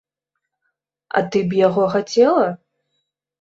А ты б яго хацела?